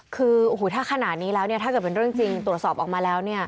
คือถ้าขนาดนี้แล้วถ้าเกิดเป็นเรื่องจริงตรวจสอบออกมาแล้ว